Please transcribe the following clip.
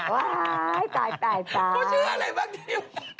วายยยตายตายเขาชื่ออะไรบ้างที